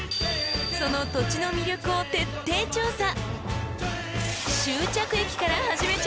［その土地の魅力を徹底調査！］